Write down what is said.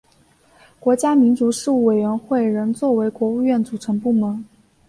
国家民族事务委员会仍作为国务院组成部门。